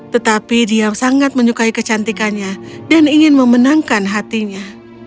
tetapi dia sangat menyukai kecantikannya dan ingin memenangkan hatinya